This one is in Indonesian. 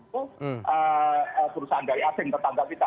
itu perusahaan dari asing tetangga kita